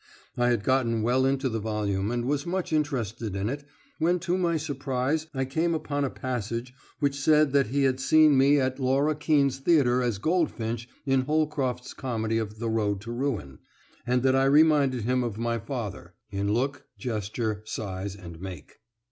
I had gotten well into the volume, and was much interested in it, when to my surprise I came upon a passage which said that he had seen me at Laura Keene's theater as Goldfinch in Holcroft's comedy of "The Road to Ruin," and that I reminded him of my father "in look, gesture, size, and make."